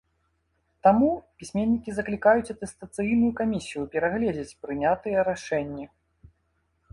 Таму пісьменнікі заклікаюць атэстацыйную камісію перагледзець прынятыя рашэнні.